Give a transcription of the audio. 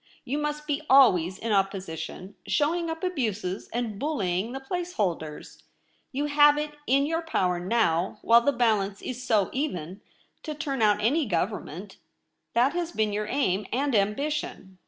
You must be always in opposition, showing up abuses and bullying the place holders. You have it in your power now, while the balance is so even, to turn out any Government. That has been your aim and ambition.